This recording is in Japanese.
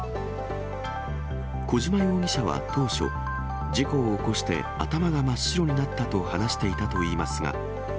小島容疑者は当初、事故を起こして頭が真っ白になったと話していたといいますが。